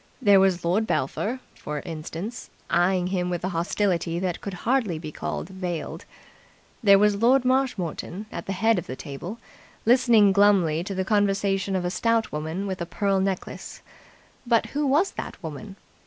There was Lord Belpher, for instance, eyeing him with a hostility that could hardly be called veiled. There was Lord Marshmoreton at the head of the table, listening glumly to the conversation of a stout woman with a pearl necklace, but who was that woman?